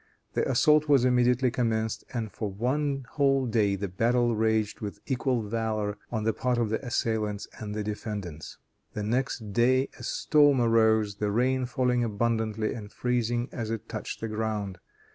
The assault was immediately commenced, and for one whole day the battle raged with equal valor on the part of the assailants and the defendants. The next day a storm arose, the rain falling abundantly and freezing as it touched the ground.